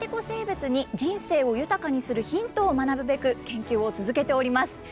生物に人生を豊かにするヒントを学ぶべく研究を続けております。